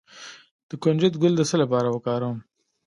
د کنجد ګل د څه لپاره وکاروم؟